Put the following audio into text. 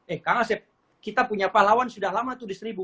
eh kang asep kita punya pahlawan sudah lama tuh di seribu